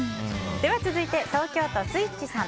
続いて、東京都の方。